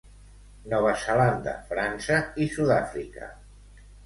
Nova Zelanda, França i Sud-Àfrica.